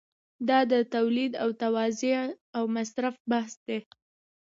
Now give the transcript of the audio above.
دا د تولید او توزیع او مصرف بحث دی.